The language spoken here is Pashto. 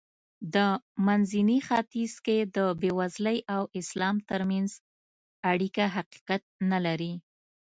په منځني ختیځ کې د بېوزلۍ او اسلام ترمنځ اړیکه حقیقت نه لري.